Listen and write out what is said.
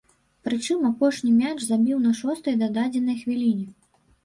Прычым апошні мяч забіў на шостай дададзенай хвіліне.